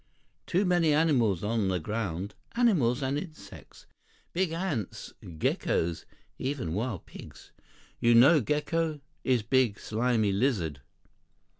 Too many animals on the ground. Animals and insects. Big ants, geckos, even wild pigs. You know gecko? Is big, slimy lizard.